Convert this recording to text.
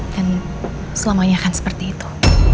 dan selamanya akan seperti itu